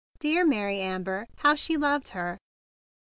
Dear Mary Amber, how she loved her!